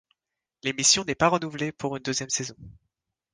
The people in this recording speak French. L'émission n'est pas renouvelée pour une deuxième saison.